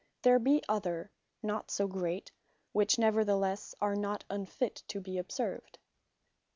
There be other, not so great; which neverthelesse are not unfit to be observed.